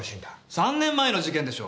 ３年前の事件でしょ。